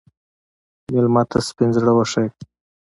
مېلمه ته سپین زړه وښیه.